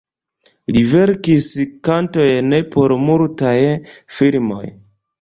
Li verkis kantojn por multaj filmoj.